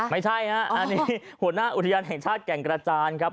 ไม่ใช่ฮะอันนี้หัวหน้าอุทยานแห่งชาติแก่งกระจานครับ